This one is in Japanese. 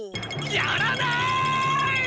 やらない！